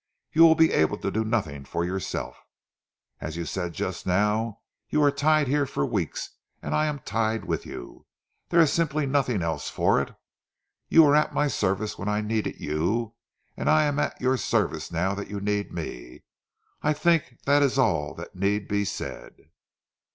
"You will be able to do nothing for yourself. As you said just now you are tied here for weeks; and I am tied with you. There is simply nothing else for it. You were at my service when I needed you, and I am at your service now that you need me. I think that is all that need be said."